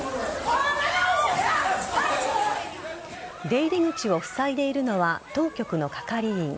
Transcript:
出入り口をふさいでいるのは当局の係員。